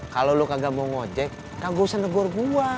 kalau lo kagak mau ngojek kagak usah negor gue